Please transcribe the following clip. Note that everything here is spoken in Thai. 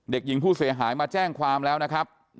เด็กหญิงผู้เสียหายมาแจ้งความแล้วนะครับ